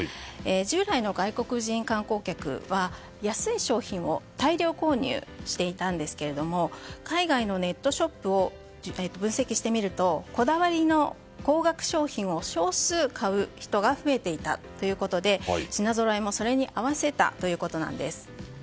従来の外国人観光客は安い商品を大量購入していたんですけれども海外のネットショップを分析してみるとこだわりの高額商品を少数買う人が増えていたということで品ぞろえも、それに合わせたということなんです。